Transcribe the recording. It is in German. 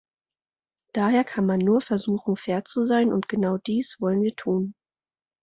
Daher kann man nur versuchen, fair zu sein, und genau dies wollen wir tun.